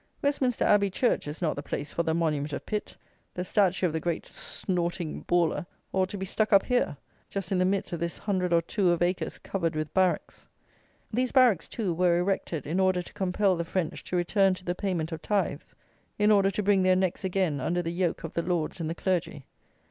Westminster Abbey Church is not the place for the monument of Pitt; the statue of the great snorting bawler ought to be stuck up here, just in the midst of this hundred or two of acres covered with barracks. These barracks, too, were erected in order to compel the French to return to the payment of tithes; in order to bring their necks again under the yoke of the lords and the clergy.